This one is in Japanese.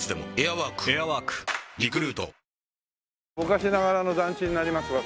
昔ながらの団地になりますわ